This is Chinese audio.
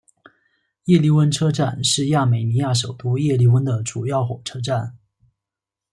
叶里温车站是亚美尼亚首都叶里温的主要火车站。